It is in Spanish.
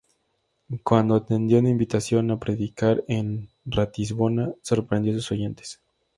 Cuando atendió una invitación a predicar en Ratisbona, sorprendió a sus oyentes.